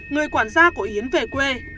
người quản gia của yến về quê